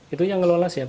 itu yang ngelola siapa